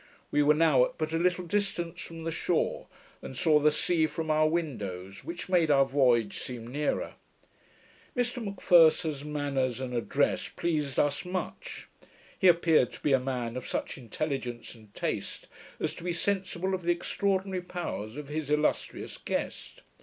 We were now at but a little distance from the shore, and saw the sea from our windows, which made our voyage seem nearer. Mr M'Pherson's manners and address pleased us much. He appeared to be a man of such intelligence and taste as to be sensible of the extraordinary powers of his illustrious guest.